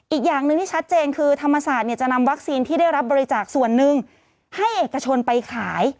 อีกอย่างหนึ่งที่ชัดเจนคือธรรมศาสตร์จะนำวัคซีนที่ได้รับบริจาคส่วนหนึ่งให้เอกชนไปขาย